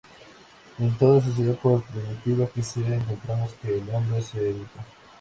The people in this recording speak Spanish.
En toda sociedad por primitiva que sea, encontramos que el hombre se educa".